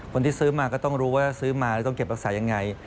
คนที่ซื้อมาก็ต้องรู้ว่าซื้อมาแล้วต้องเก็บรักษายังไง